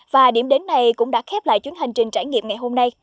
và điểm đến này cũng đã khép lại chuyến hành trình trải nghiệm ngày hôm nay